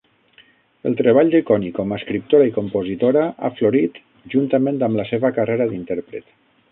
El treball de Connie com a escriptora i compositora ha florit juntament amb la seva carrera d'intèrpret.